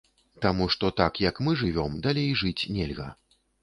Таму што так, як мы жывём, далей жыць нельга.